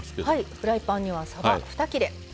フライパンにはさば２切れ。